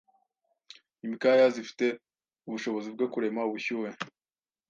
imikaya zifite ubushobozi bwo kurema ubushyuhe,